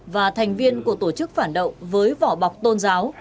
và thành viên của tổ chức phản động với vỏ bọc tôn giáo